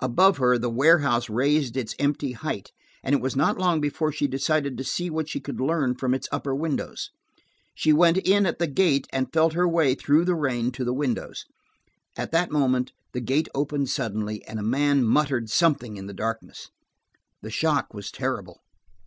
Above her the warehouse raised its empty height, and it was not long before she decided to see what she could learn from its upper windows. She went in at the gate and felt her way, through the rain, to the windows. At that moment the gate opened suddenly, and a man muttered something in the darkness. The shock was terrible.